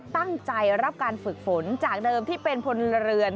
ตั้งใจรับการฝึกฝนจากเดิมที่เป็นพลเรือน